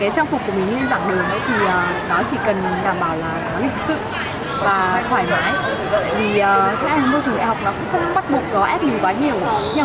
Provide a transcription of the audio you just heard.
cái trang phục của mình lên dạng đường